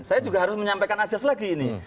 saya juga harus menyampaikan asas lagi ini